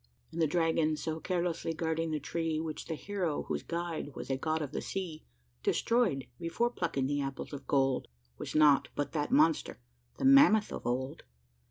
And the dragon so carelessly guarding the tree, Which the hero, whose guide was a god of the sea, Destroyed before plucking the apples of gold Was nought but that monster the mammoth of old.